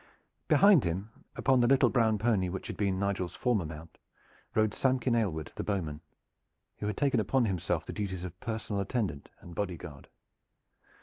Behind him, upon the little brown pony which had been Nigel's former mount, rode Samkin Aylward the bowman, who had taken upon himself the duties of personal attendant and body guard.